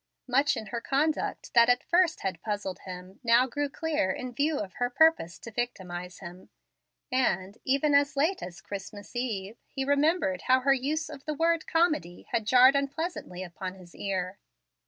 Much in her conduct that at first had puzzled him now grew clear in view of her purpose to victimize him, and, even as late as Christmas eve, he remembered how her use of the word "comedy" had jarred unpleasantly upon his ear.